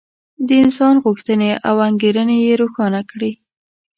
د انسان غوښتنې او انګېرنې یې روښانه کړې.